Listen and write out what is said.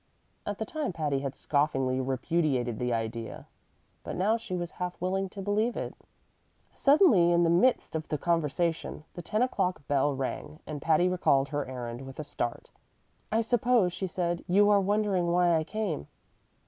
At the time Patty had scoffingly repudiated the idea, but now she was half willing to believe it. Suddenly, in the midst of the conversation, the ten o'clock bell rang, and Patty recalled her errand with a start. "I suppose," she said, "you are wondering why I came."